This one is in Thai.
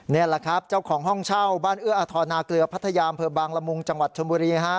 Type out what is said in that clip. นี่แหละครับเจ้าของห้องเช่าบ้านเอื้ออทรนาเกลือพัทยาอำเภอบางละมุงจังหวัดชนบุรีฮะ